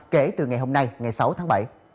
kể từ ngày hôm nay ngày sáu tháng bảy